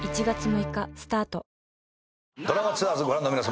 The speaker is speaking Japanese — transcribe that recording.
１月８日スタート